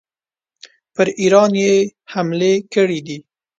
پر ایران یې حملې کړي دي.